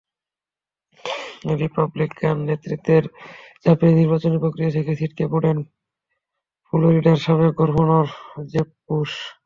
Republican নেতৃত্বের চাপেই নির্বাচনী প্রক্রিয়া থেকে ছিটকে পড়েন ফ্লোরিডার সাবেক গভর্নর জেব বুশ।